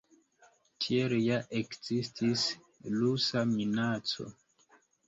Tiel ja ekzistis rusa minaco.